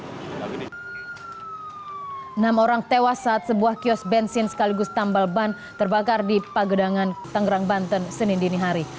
enam orang tewas saat sebuah kios bensin sekaligus tambal ban terbakar di pagedangan tanggerang banten senin dinihari